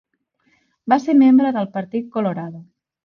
Va ser membre del Partit Colorado.